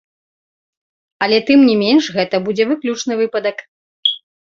Але тым не менш, гэта будзе выключны выпадак.